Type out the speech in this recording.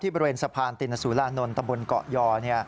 ที่บริเวณสะพานตินสูรานนท์ตะวนเกาะยอด